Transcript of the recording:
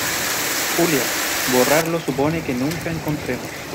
Julia, borrarlo supone que nunca encontremos